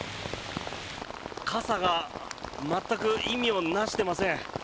傘が全く意味を成していません。